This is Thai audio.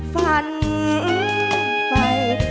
ฝันไป